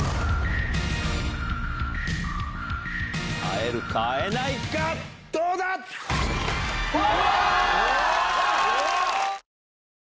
会えるか会えないかどうだ⁉うわ！